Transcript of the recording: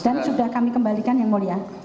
dan sudah kami kembalikan yang mulia